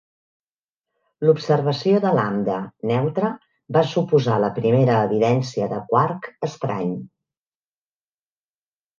L'observació del lambda neutre va suposar la primera evidència del quark estrany